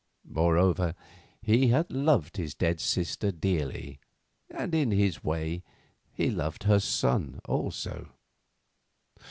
Moreover, he had loved his dead sister dearly, and, in his way, he loved her son also.